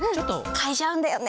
かいじゃうんだよね。